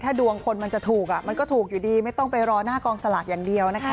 ดวงคนมันจะถูกมันก็ถูกอยู่ดีไม่ต้องไปรอหน้ากองสลากอย่างเดียวนะคะ